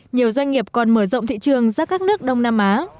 nhiều doanh nghiệp còn mở rộng thị trường ra các nước đông nam á